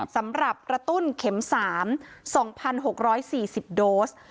สำหรับกระตุ้นเข็ม๓๒๖๔๐โดส